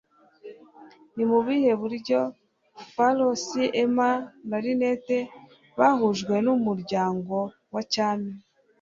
Ni mu buhe buryo Faros, Emma na Linnet bahujwe n'umuryango wa cyami?